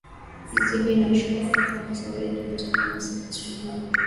Mizoga inayoshukiwa kufa kwa sababu ya kimeta kamwe isipasuliwe